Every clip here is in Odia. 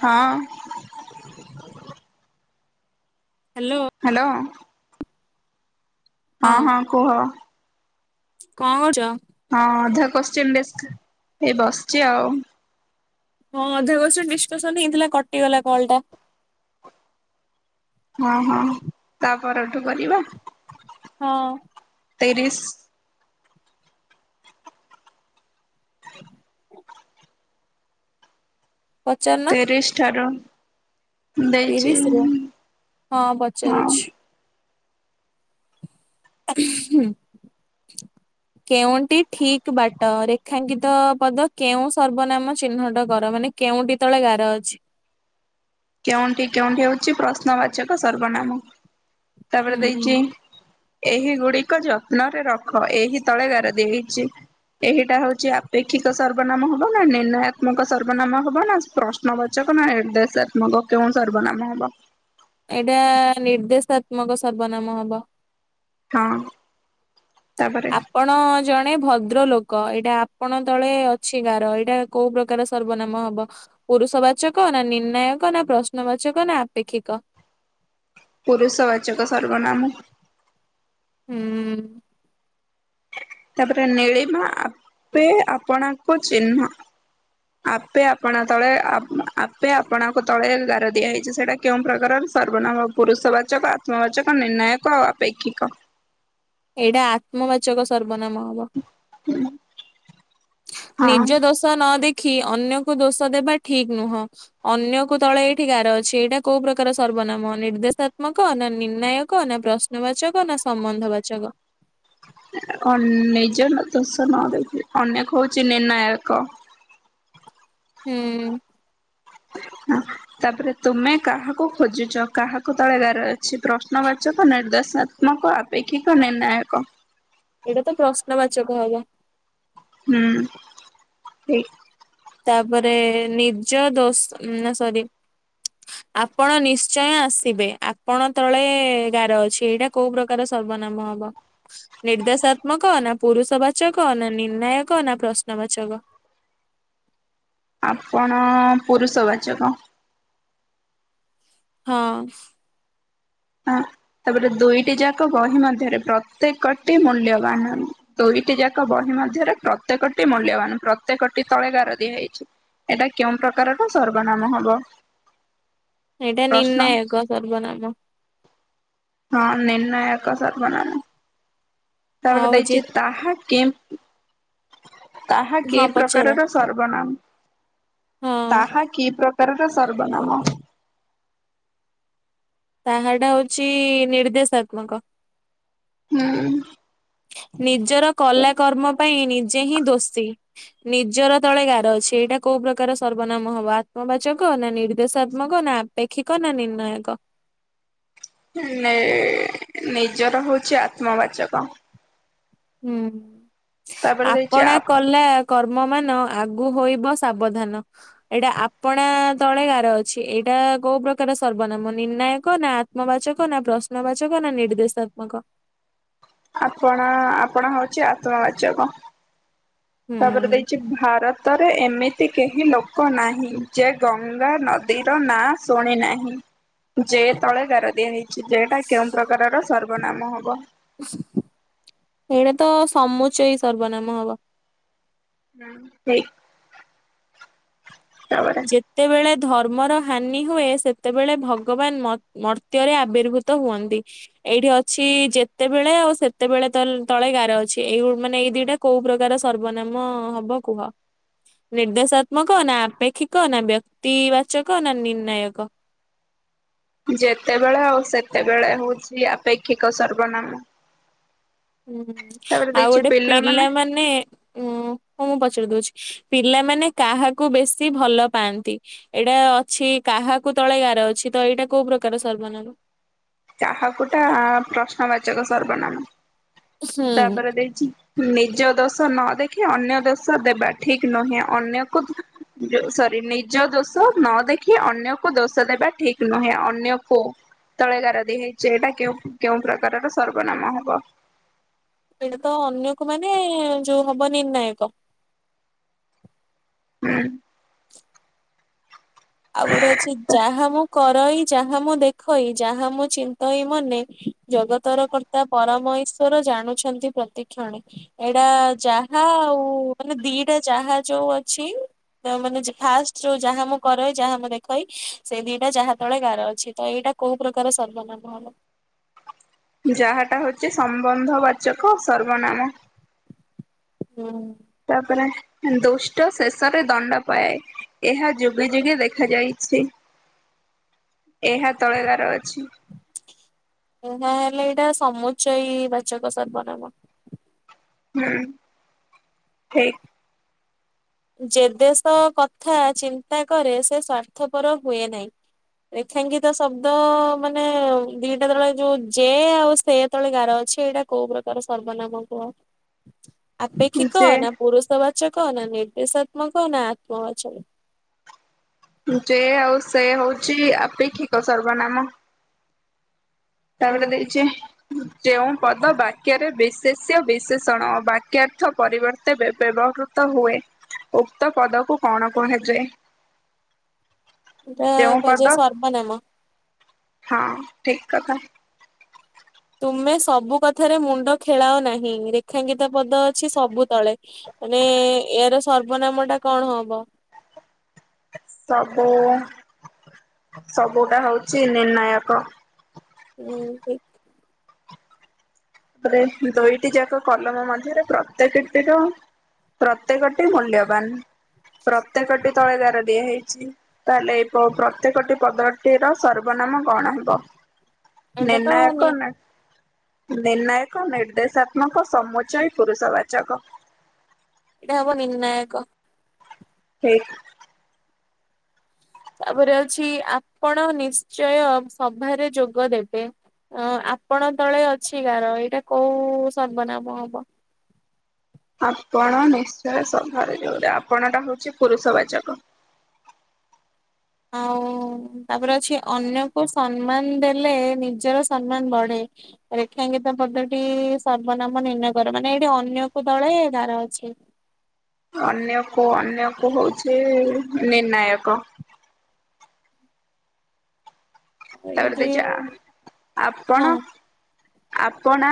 ହଁ ହାଲୋ। ହାଲୋ। ହଁ ହଁ କୁହ? କଣ କରୁଚ? ହଁ ଅଧା କୋଶ୍ଚିନ୍ ଡିସ୍, ଏଇ ବସିଛି ଆଉ। ହଁ ଅଧା କୋଶ୍ଚିନି ଡିସ୍କସନ୍ ହେଇଥିଲା, କଟିଗଲା କଲ୍ ଟା। ହଁ ହଁ, ତା ପରଠୁ କରିବା? ହଁ। ତିରିଶ୍। ପଚାରୁନ। ତିରିଶ୍ ଠାରୁ ଦେଇଛି ତିରିଶ ରୁ, ହଁ ହଁ ପଚାରୁଚି। ଉଁ ହୁଁ। କେଉଁଠି ଠିକ୍ ବାଟ, ରେଖାଙ୍କିତ ପଦ କେଉଁ ସର୍ବନାମ ଚିହ୍ନଟ କର, ମାନେ- କେଉଁଟି ତଳେ ଗାର ଅଛି? କେଉଁଟି, କେଉଁଟି, ହଉଚି ପ୍ରଶ୍ନବାଚକ ସର୍ବନାମ, ତାପରେ ହୁଁ ହୁଁ ଦେଇଚି ଏହି ଗୁଡିକ ଯତ୍ନରେ ରଖ ଏହି ତଳେ ଗାର ଦେଇଛି। ଏହିଟା ହୋଉଛି ଆପେକ୍ଷିକ ସର୍ବନାମ ହବ ନା ନିର୍ଣ୍ଣାୟାତ୍ମକ ସର୍ବନାମ ହବ ନା ପ୍ରଶ୍ନବାଚକ ନା ଏଟ ଦେଶାତ୍ମକ କେଉଁ ସର୍ବନାମ ହବ? ଏଇଟା ନିର୍ଦ୍ଦେଶାତ୍ମକ ସର୍ବନାମ ହବ। ହଁ ତାପରେ ଆପଣ ଜଣେ ଭଦ୍ର ଲୋକ ଏଇଟା ଆପଣ ତଳେ ଅଛି ଗାର ଏଇଟା କୋଉ ପ୍ରକ କାର ସର୍ବନାମ ହବ? ପୁରୁଷବାଚକ ନା ନିର୍ଣ୍ଣାୟକ ନା ପ୍ରଶ୍ନବାଚକ ନା ଆପେକ୍ଷିକ? ପୁରୁଷବାଚକ ସର୍ବନାମ। ହୁଁ। ତାପରେ ନୀଳିମା ଆପେ ଆପଣାଙ୍କୁ ଚିହ୍ନ। ଆପେ ଆପଣା ତଳେ ଆପ ଆପେ ଆପଣାଙ୍କୁ ତଳେ ଗାର ଦିଆ ହେଇଛି ସେଇଟା କେଉଁ ପ୍ରକାରର ସର୍ବନାମ ପୁରୁଷବାଚକ ଆତ୍ମବାଚକ ନିର୍ଣ୍ଣାୟକ ଆଉ ଆପେକ୍ଷିକ? ଏଇଟା ଆତ୍ମବାଚକ ସର୍ବନାମ ହବ। ହୁଁ। ନିଜ ଦୋଷ ନ ଦେଖି ଅନ୍ୟକୁ ଦୋଷ ଦେବା ଠିକ ନୁହଁ। ଅନ୍ୟକୁ ତଳେ ଏଇଠି ଗାର ଅଛି ଏଇଟା କୋଉ ପ୍ରକାର ସର୍ବନାମ ନିର୍ଦେଶାତ୍ମକ ନା ନିର୍ଣ୍ଣାୟକ ନା ପ୍ରଶ୍ନ ଶ୍ନ ବାଚକ ନା ସମ୍ବନ୍ଧବାଚକ? ନିଜ ଦୋଷ ନ ଦେଖି ଅନେକ ହଉଛି ନିର୍ଣ୍ଣାୟକ। ହୁଁ। ହୁଁ। ତାପରେ ତୁମେ କାହାକୁ ଖୋଜୁଛ କାହାକୁ ତଳେ ଗାର ଅଛି ପ୍ରଶ୍ନବାଚକ ନିର୍ଦ୍ଦେସା ମକ ଅପେକ୍ଷିକ ନିର୍ଣ୍ୟୟାକ। ଏଇଟା ତ ପ୍ରଶ୍ନବାଚକ ହେଲା। ହୁଁ ହେ ତାପରେ ନିଜ ଦୋଷ ନା ସରି ଆପଣ ନିଶ୍ଚୟ ଆସିବେ ଆପଣ ତଳେ ଗାର ଅଛି ଏଇଟା କୋଉ ପ୍ରକ କାର ସର୍ବନାମ ହବ? ନିର୍ଦ୍ଦେଶାତ୍ମକ ନା ପୁରୁଷବାଚକ ନା ନିର୍ଣ୍ଣାୟକ ନା ପ୍ରଶ୍ନବାଚକ? ଆପଣ ପୁରୁଷବାଚକ। ହଁ। ହଁ ତାପରେ ଦୁଇଟି ଯାକ ବହି ମଧ୍ୟରେ ପ୍ରତ୍ୟେକଟି ମୂଲ୍ୟବାନ। ଦୁଇଟି ଯାକ ବହି ମଧ୍ୟରେ ପ୍ରତ୍ୟେକଟି ମୂଲ୍ୟବାନ ପ୍ରତ୍ୟେକ ଟି ତଳେ ଗାର ଦିଆହେଇଛି। ଏଇଟା କେଉଁ ପ୍ରକାରର ସର୍ବନାମ ହବ? ଏଇଟା ପ୍ରଶ୍ନ ନିର୍ଣ୍ଣାୟକ ସର୍ବନାମ। ହଁ ନିର୍ଣ୍ଣାୟକ ସର୍ବନାମ। ତାପରେ ଆଉ ହଉଛି ଦେଇଛି ତାହା କେ ତାହା କି ହଁ ପଚାର। ପ୍ରକାରର ସର୍ବନାମ ହଁ ତାହା କି ପ୍ରକାରର ସର୍ବନାମ? ତାହାଟା ହଉଛି ନିର୍ଦ୍ଦେଶାତ୍ମକ। ହୁଁ। ନିଜର କଲା କର୍ମ ପାଇଁ ନିଜେ ହିଁ ଦୋଷୀ। ନିଜର ତଳେ ଗାର ଅଛି ଏଇଟା କୋଉ ପ୍ରକାର ସର୍ବନାମ ହବ ଆତ୍ମବାଚକ ନା ନିର୍ଦ୍ଦେଶାତ୍ମକ ନା ପେକ୍ଷିକ ନା ନିର୍ଣ୍ଣାୟକ? ନି ନିଜର ହଉଛି ଆତ୍ମବାଚକ। ହୁଁ ତାପରେ ଦେଇଛି ଆପଣା ଆ କଲେ ଲା କର୍ମ ମାନ ଆଗୁ ହୋଇବ ସାବଧାନ। ଏଇଟା ଆପଣା ତଳେ ଗାର ଅଛି ଏଇଟା କୋଉ ପ୍ରକାର ସର୍ବନାମ ନିର୍ଣ୍ଣାୟକ ନା ଆତ୍ମବାଚକ ନା ପ୍ରଶ୍ନବାଚକ ନା ନିର୍ଦ୍ଦେଶାତ୍ମକ? ଆପଣ ଆପଣ ହଉଛି ଆତ୍ମବାଚକ। କଡ଼ରେ ହୁଁ। ଦେଇଚି ଭାରତ ତରେ ଏମିତି କେହି ଲୋକ ନାହିଁ ଯେ ଗଙ୍ଗା ନଦୀର ନାଁ ଶୁଣି ନାହିଁ ଯେ ତଳେ ଗାର ଦିଆ ହେଇଚି ଯେ ଟା କେଉଁ ପ୍ରକାରର ସର୍ବନାମ ହବ? ଏଇଟା ତ ସମୁଚୟି ସର୍ବନାମ ହବ। ହୁଁ ସେଇ [inaudible] ଯେତେବେଳେ ଧର୍ମର ହାନି ହୁଏ, ସେତେବେଳେ ଭଗବାନ ମତ୍ ମର୍ତ୍ୟରେ ଆବିର୍ଭୁତ ହୁଅନ୍ତି। ଏଇଠି ଅଛି ଯେତେବେଳେ ଆଉ ସେତେବେଳେ ତଲ ତଳେ ଗାର ଅଛି ଏଉ ମାନେ ଏଇ ଦିଟା କୋଉ ପ୍ରକାର ସର୍ବନାମ ହବ କୁହ? ନିର୍ଦ୍ଦେଶାତ୍ମକ ନା ଆପେକ୍ଷିକ ନା ବବ୍ୟକ୍ତି ବାଚକ ନା ନିର୍ଣ୍ଣାୟକ? ଯେତେବେଳେ ଆଉ ସେତେବେଳେ ହଉଛି ଆପେକ୍ଷିକ ସର୍ବନାମ। ହୁଁ ତାପରେ ଆଉ ଦେଇଛି ଗୋଟେ ପିଲାମାନେ ଉଁ ହଁ ମୁଁ ପଚାରି ଦଉଛି, ପିଲାମାନେ କାହାକୁ ବେଶୀ ଭଲ ପାଆନ୍ତି? ଏଇଟା ଅଛି କାହାକୁ ତଳେ ଗାର ଅଛି ତ ଏଇଟା କୋଉ ପ୍ରକାର ସର୍ବନାମ? କାହାକୁଟା ଆ ପ୍ରଶ୍ନବାଚକ ସର୍ବନାମ, ହୁଁ ତାପରେ ଦେଇଚି ନିଜ ଦୋଷ ନଦେଖି ଅନ୍ୟ ଦୋଷ ଦେବା ଠିକ ନୁହେଁ ଅନ୍ୟକୁ ଯୋ ସରି ନିଜ ଦୋଷ ନଦେଖି ଅନ୍ୟକୁ ଦୋଷ ଦେବା ଠିକ ନୁହେଁ ଅନ୍ୟକୁ ତଳେ ଗାର ଦିଏ ହେଇଚି ଏଇଟା କେଉ କେଉଁ ପ୍ରକାରର ସର୍ବନାମ ହବ? ଏଇଟାତ ଅନ୍ୟକୁ ମାନେ ଯୋଉ ହବ ନିର୍ଣ୍ଣାୟକ। ହୁଁ ଆଉ ଗୋଟେ ଅଛି ଯାହା ମୁଁ କରଇ ଯାହା ମୁଁ ଦେଖଇ ଯାହା ମୁଁ ଚିନ୍ତଇ ମନେ ଜଗତର କର୍ତ୍ତା ପରମଇଶ୍ଵର ଜାଣୁଛନ୍ତି ପ୍ରତିକ୍ଷଣେ। ଏଇଟା ଯାହା ଆଉ ମାନେ ଦିଇଟା ଯାହା ଯୋଉ ଅଛି ତ ମାନେ ଫାଷ୍ଟ ଯୋଉ ଯାହା ମୁଁ କରଇ ଯାହା ମୁଁ ଦେଖଇ ସେ ଦିଟା ଯାହା ତଳେ ଗାର ଅଛି ତ ଏଇଟା କୋଉ ପ୍ରକାର ସର୍ବନାମ ହବ? ଯାହାଟା ହଉଚି ସମ୍ବନ୍ଧ ବାଚକ ସର୍ବନାମ। ହୁଁ। ତାପରେ ଦୁଷ୍ଟ ଶେଷରେ ଦଣ୍ଡ ପାଏ। ଏହା ଯୁଗେ ଯୁଗେ ଦେଖା ଯାଇଛି। [inaudible] ଏହାତଳେ ଗାରଅଛି। ହୁଁ ହାଁ ହେଲେ ଏଇଟା ସମୁଚୟୀ ବାଚକ ସର୍ବନାମ। ହୁଁ ଠିକ୍ ଯେ ଦେଶ କଥା ଚିନ୍ତାକରେ ସେ ସ୍ଵାର୍ଥପର ହୁଏନାହିଁ। ଲେଖାଙ୍କିିତ ଶବ୍ଦ ମାନେ ଦିଟା ତଳେ ଯୋଉ ଜେ ଆଉ ସେ ତଳେ ଗାରଅଛି ଏଇଟା କୋଉ ପ୍ରକାର ସର୍ବନାମ କୁହ? ଆପେକ୍ଷିକ ଯେ ନା ପୁରୁଷବାଚକ ନା ନିର୍ଦ୍ଦେଶାତ୍ମକ ନା ଆତ୍ମବାଚକ? ଯେ ଆଉ ସେ ହଉଚି ଆପେକ୍ଷିକ ସର୍ବନାମ। ତା ପରେ ହୁଁ ଦେଇଚି ଯେଉଁ ପଦ ବାକ୍ୟରେ ବିଶେଷ୍ୟ ବିଶେଷଣ ବାକ୍ୟାର୍ଥ ପରିବର୍ତ୍ତେ ବେବ ବ୍ୟବହୃ ତ ହୁଏ ଉକ୍ତ ପଦକୁ କଣ କୁହାଯାଏ? ଏଟା ଯେଉଁ ପଦ କୁହାଯାଏ ସର୍ବନାମ। ହଁ ଠିକ କଥା। ତୁମେ ସବୁ କଥାରେ ମୁଣ୍ଡ ଖେଳାଅ ନାହିଁ ରେଖାଙ୍କିତ ପଦଅଛି ସବୁତଳେ। ମାନେ ଏହାର ସର୍ବନାମଟା କଣ ହବ। ସବୁ ସବୁଟା ହଉଛି ନିର୍ଣ୍ଣାୟକ। ନୁହେଁ। ତାପରେ ଦୁଇଟି ଯାକ କଲମ ମଧ୍ୟରେ ପ୍ରତ୍ୟେକଟିର ପ୍ରତ୍ୟେକଟି ମୂଲ୍ୟବାନ ପ୍ରତ୍ୟେକଟି ତଳେ ଗାର ଦିଆ ହେଇଛି ତାହେଲେ ଏବ ପ୍ରତ୍ୟେକଟି ପଦଟିର ସର୍ବନାମ କଣ ହେବ। ଏଇଟା ତ ନିର୍ଣ୍ଣାୟକ ନା। ନିର୍ଣ୍ଣାୟକ ନିର୍ଦ୍ଦେଶାତ୍ମକ ସମୁଚୟ ପୁରୁଷବାଚକ। ଏଇଟା ହବ ନିର୍ଣ୍ଣାୟକ। ହେଁ। ତାପରେ ଅଛି ଆପଣ ନିଶ୍ଚୟ ସଭାରେ ଯୋଗଦେବେ। ଅ ଆପଣ ତଳେ ଅଛି ଗାର ଏଇଟା କୋଉ ସର୍ବନାମ ହବ। ଆପଣ ନିଶ୍ଚୟ ସଭାରେ ଯୋଉଟା ଆପଣଟା ହଉଛି ପୁରୁଷ ବାଚକ। ଆଉ ତାପରେ ଅଛି ଅନ୍ୟକୁ ସମ୍ମାନ ଦେଲେ ନିଜର ସମ୍ମାନ ବଢେ। ରେଖାଙ୍କିିତ ପଦଟି ସର୍ବନାମ ନିର୍ଣ୍ଣୟକର ମାନେ ଏଇଠି ଅନ୍ୟକୁ ତଳେ ଗାରଅଛି। ଅନ୍ୟକୁ ଅନ୍ୟକୁ ହଉଛି ନିର୍ଣ୍ଣାୟକ। ତାପରେ ଏମିତି ଦେଇଛି ଆ ହଁ ଆପଣ ଆପଣା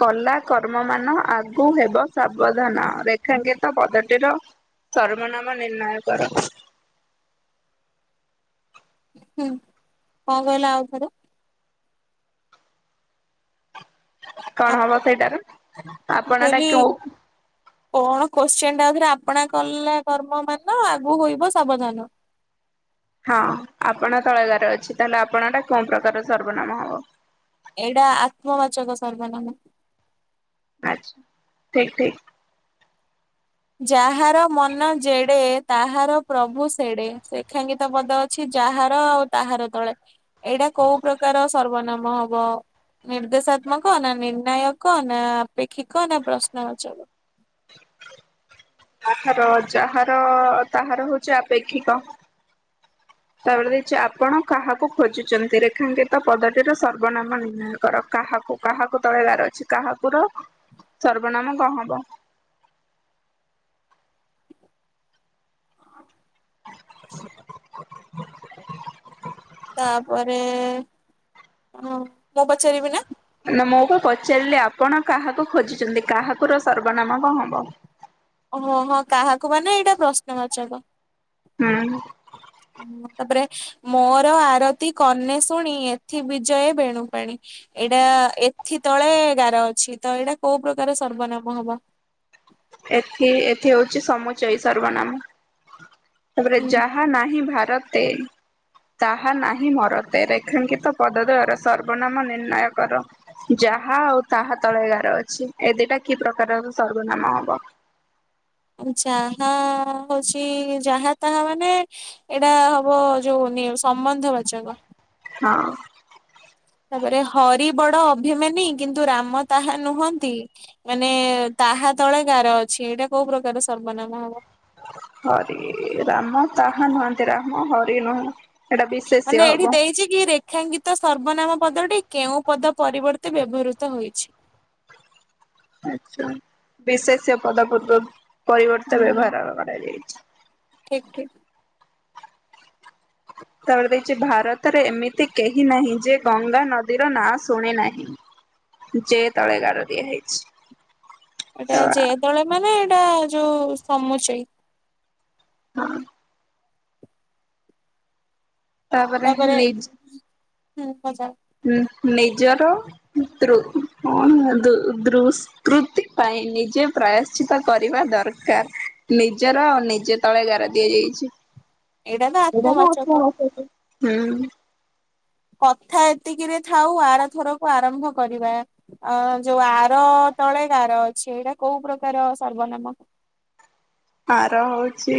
କଲା କର୍ମ ମାନ ଆଗୁ ହେବ ସାବଧାନ ରେଖାଙ୍କିତ ପଦଟିର ସର୍ବନାମ ନିର୍ଣ୍ଣୟକର। ହୁଁ। କଣ କହିଲ ଆଉ ଥରେ। କଣ ହବ ଆପ ସେଇଟାର ମୁଁ ଆପଣ ଟା କହିଲି କେଉ କଣ କୋଶ୍ଚିନ୍ ଟା ଆଉଥରେ ଆପଣା କଲା କର୍ମ ମାନ ଆଗୁ ହୋଇବ ସାବଧାନ। ହଁ ଆପଣା ତଳେ ଗାର ଅଛି ତାହେଲେ ଆପଣ ଟା କୋଉ ପ୍ରକାର ସର୍ବନାମ ହବ। ଏଇଟା ଆତ୍ମବାଚକ ସର୍ବନାମ। ଆଚ୍ଛା ଠିକ୍ ଠିକ୍। ଯାହାର ମନ ଜେଡେ ତାହାର ପ୍ରଭୁ ସେଡେ। ରେଖାଙ୍କିିତ ପଦ ଅ ଛି ଯାହାର ଆଉ ତାହାର ତଳେ ଏଇଟା କୋଉ ପ୍ରକାର ସର୍ବନାମ ହ ବ ନିର୍ଦ୍ଦେଶାତ୍ମକ ନା ନିର୍ଣ୍ଣାୟକ ନା ଆପେକ୍ଷିକ ନା ପ୍ରଶ୍ନବାଚକ। ପାଠର ଯାହାର ତାହାର ହଉଛି ଆପେକ୍ଷିକ। ତାପରେ ଦେଇଛି ଆପଣ କାହାକୁ ଖୋଜୁଛନ୍ତି। ରେଖାଙ୍କିତ ପଦଟିର ସର୍ବନାମ ନିର୍ଣ୍ଣୟ କର କାହାକୁ। କାହାକୁ ତଳେ ଗାର ଅଛି କାହାକୁର ସର୍ବନାମ କଣ ହବ। ତାପରେ ଆଉ ମୁଁ ପଚାରିବି ନା। ନା ମୁଁ ବା ପଚାରିଲି ଆପଣ କାହାକୁ ଖୋଜୁଛନ୍ତି। କାହାକୁ ର ସର୍ବନାମ କଣ ହବ। ଓହୋ ହଁ କାହାକୁ ମାନେ ଏଇଟା ପ୍ରଶ୍ନବାଚକ। ହୁଁ। ଆଉ ତାପରେ ମୋର ଆରତି କର୍ଣ୍ଣେ ଶୁଣୀ ଏଥି ବିଜୟ ବେଣୁପାଣୀ। ଏଇଟା ଏଥି ତଳେ ଗାର ଅଛି ତ ଏଇଟା କୋଉ ପ୍ରକାର ସର୍ବନାମ ହବ। ଏଥି ଏଥି ହେଉଛି ସମୁଚୟ ସର୍ବନାମ। ତାପରେ ଯାହା ହୁଁ ନାହିଁ ଭାରତେ। ତାହା ନାହିଁ ମରତେ ରେଖାଙ୍କିତ ପଦୋଦୟର ସର୍ବନାମ ନିର୍ଣ୍ଣୟ କର। ଯାହା ଆଉ ତାହା ତଳେଗାର ଅଛି ଏ ଦିଟା କି ପ୍ରକାରର ସର୍ଗନାମ ହବ? ଯାହା ହେଉଛି ଯାହା ତାହା ମାନେ ଏଇଟା ହବ ଜଉ ସମ୍ବନ୍ଧ ବାଚକ। ହଁ। ତାପରେ ହରି ବଡ ଅଭିମାନୀ କିନ୍ତୁ ରାମ ତାହା ନୁହଁନ୍ତି। ମାନେ ତାହା ତଳେ ଗାଁର ଅଛି ଏଇଟା କୋଉ ପ୍ରକାର ସର୍ବନାମ ହବ। ହରି ରାମ ତାହା ନୁହନ୍ତି ରାମ ହରି ନୁହଁନ୍ତି। ମାନେ ଏଇଠି ଦେଇଛି କି ରେ ରେଖାଙ୍କିତ ସର୍ବନାମ ପଦଟି କେଉଁ ପଦ ପରିବର୍ତ୍ତେ ବ୍ୟବହୃତ ହୋଇଛି। ଆଚ୍ଛା। ବିଶେଷ୍ୟ ପଦ ପରିବର୍ତ୍ତ ବ୍ୟବହାର କରାଯାଇଛି। ଠିକ୍, ଠିକ୍। ତା ପରେ ଦେଇଛି ଭାରତରେ ଏମିତି କେହି ନାହିଁ ଯେ ଗଙ୍ଗା ନଦୀର ନାଁ ଶୁଣେ ନାହିଁ। ଯେ ତଳେ ଗାର ଦିଆ ହେଇଛି। ଏଇଟା ଯେ ତଳେମାନେ ଏଇଟା ଯୋଉ ସମୁଚେଇ। ହଁ। ତାପରେ ହୁଁ ପଚାର। ନିଜର ଦୃ ହଁ ଦୃଶ କୃତି ପାଇଁ ନିଜ ପ୍ରାୟଶ୍ଚିତ୍ କରିବା ଦରକାର ନିଜର ନିଜ ତଳେ ଗାର ଦିଆଯାଇଛି। ଏଇଟା ତ ଏଇ ଟାନା ଆତ୍ମବାଚକ। ଆଉ କଣ [unintelligible] କଥା ଏତିକିରେ ଥାଉ ଆରଥରକୁ ଆରମ୍ଭ କରିବା। ଅ ଯୋଉ ଆର ତଳେ ଗାର ଅଛି ଏଇଟା କୋଉ ପ୍ରକାର ସର୍ବନାମ? ଆର ହଉଚ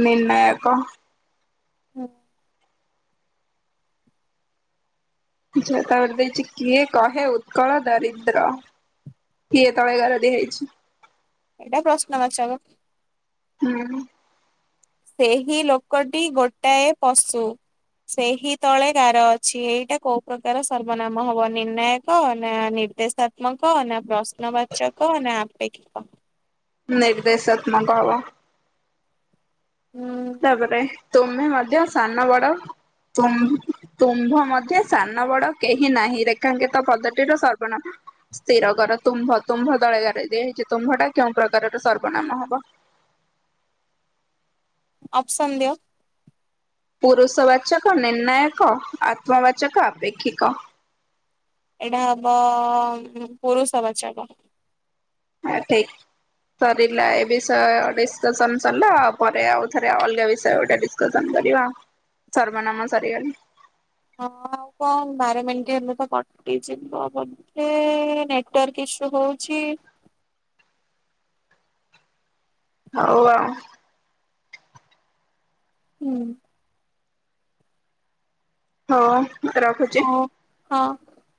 ନିର୍ଣ୍ଣାୟକ। ହଁ। ଜା ତାପରେ ଦେଇଛି କିଏ କହେ ଉତ୍କଳ ଦରିଦ୍ର। କିଏ ତଳେ ଗାର ଦିଆ ହେଇଛି। ଏଇଟା ପ୍ରଶ୍ନ ବାଚକ। ହୁଁ। ସେହି ଲୋକଟି ଗୋଟାଏ ପଶୁ। ସେହି ତଳେ ଗାର ଅଛି ଏଇଟା କୋଉ ପ୍ରକାର ସର୍ବନାମ ହବ ନିର୍ଣ୍ଣାୟକ ନା ନିର୍ଦ୍ଦେଶ ତ୍ମକ ନା ପ୍ରଶ୍ନବାଚକ ନା ଆପେକ୍ଷିକ। ନିର୍ଦ୍ଦେଶାତ୍ମକ ହବ। ତାପରେ ହୁଁ ତୁମେ ମଧ୍ୟ ସାନ ବଡ ତୁମ ତୁମ୍ଭ ମଧ୍ୟ ସାନ ବଡ କେହି ନାହିଁ ରେଖାଙ୍କିତ ପଦଟିର ସର୍ବନାମ ସ୍ଥିର କରର ତୁମ୍ଭ ତୁମ୍ଭ ତଳେଗାର ଦିଆହେଇଛି ତୁମ୍ଭଟା କେଉଁ ପ୍ରକାରର ସର୍ବନାମ ହବ। ଅପସନ୍ ଦିଅ। ପୁରୁଷବାଚକ ନିର୍ଣ୍ଣାୟକ ଆତ୍ମବାଚକ ଆପେକ୍ଷିକ। ଏଇଟା ହବ ପୁରୁଷ ବାଚକ। ଆ ଠିକ। ସରିଲା ଏ ବିଷୟ ଡିସକସନ ସରିଲା ପରେ ଆଉ ଥରେ ଅଲଗା ବିଷୟ ଗୋଟେ ଡ଼ିସ ଡିସ୍କସନ କରିବା ସର୍ବନାମ ସରିଗଲା। ହଁ ଆଉ କଣ ବାର ମିନିଟ ହେଲେ ତ କଟିଯିବ ବୋଲ ଏ ନେଟୱାର୍କ ଇସୁ ହଉଛି। ହଉ ଆଉ। ହୁଁ! ହଁ! ହଉ ହଁ!